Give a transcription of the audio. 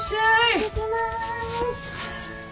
行ってきます。